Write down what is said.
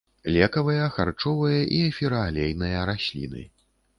Лекавыя, харчовыя і эфіраалейныя расліны.